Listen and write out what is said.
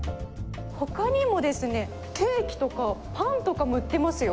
他にもですねケーキとかパンとかも売ってますよ。